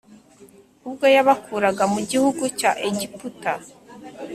ubwo yabakuraga mu gihugu cya Egiputa